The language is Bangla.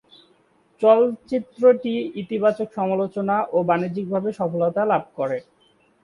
চলচ্চিত্রটি ইতিবাচক সমালোচনা ও বাণিজ্যিকভাবে সফলতা লাভ করে।